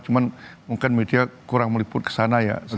cuma mungkin media kurang meliput kesana ya